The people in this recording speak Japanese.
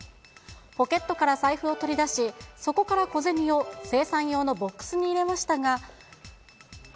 ポケットから財布を取り出し、そこから小銭を精算用のボックスに入れましたが。